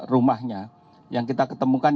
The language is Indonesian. rumahnya yang kita ketemukan